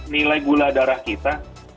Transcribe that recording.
nilai gula darah kita